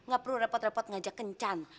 gak perlu repot repot ngajak kencan